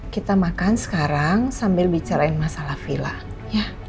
kita makan sekarang sambil bicara masalah villa ya